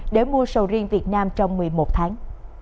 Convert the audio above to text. để mua sầu riêng việt nam trong một mươi một tháng